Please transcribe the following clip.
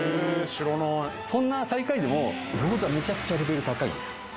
知らないそんな最下位でも餃子めちゃくちゃレベル高いんですよ